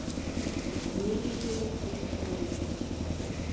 Мили ден Вихторий...